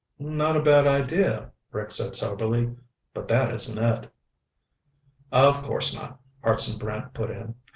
"Not a bad idea," Rick said soberly. "But that isn't it." "Of course not," Hartson Brant put in.